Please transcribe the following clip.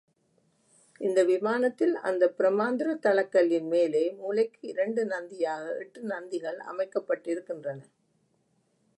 இந்த விமானத்தில் அந்தப் பிரமாந்திரத் தளக்கல்லின் மேலே மூலைக்கு இரண்டு நந்தியாக எட்டு நந்திகள் அமைக்கப்பட்டிருக்கின்றன.